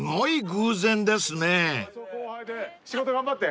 仕事頑張って。